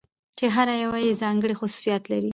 چې هره يوه يې ځانګړى خصوصيات لري .